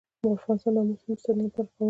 افغانستان د آمو سیند د ساتنې لپاره قوانین لري.